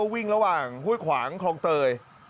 วิ่งระหว่างห้วยขวางคลองเตย